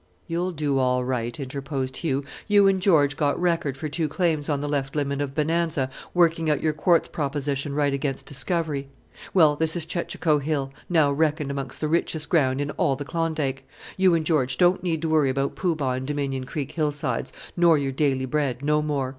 "You'll do all right," interposed Hugh, "you and George got record for two claims on the left limit of Bonanza working out your quartz proposition right against discovery. Well, this is Chechacho Hill, now reckoned amongst the richest ground in all the Klondike. You and George don't need to worry about Poo Bah and Dominion Creek hillsides, nor your daily bread, no more.